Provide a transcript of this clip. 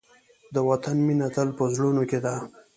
د وطن مینه تل په زړونو کې ده.